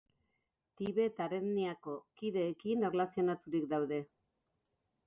Tibetar etniako kideekin erlazionaturik daude.